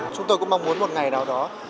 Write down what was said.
chúng tôi cũng mong muốn một ngày nào đó